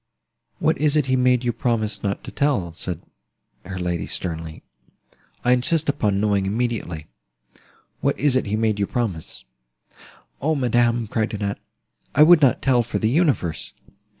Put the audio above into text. "What is it he made you promise not to tell?" said her lady, sternly. "I insist upon knowing immediately—what is it he made you promise?" "O madam," cried Annette, "I would not tell for the universe!"